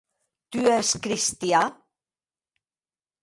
Tu ès cristian?